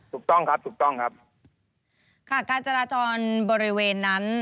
ถูกต้องครับถูกต้องครับค่ะการจราจรบริเวณนั้น